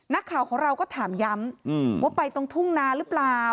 นักข่าวของเราก็ถามย้ำว่าไปตรงทุ่งนาหรือเปล่า